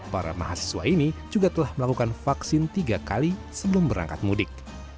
para mahasiswa ini juga telah melakukan vaksin tiga kali sebelum berangkat mudik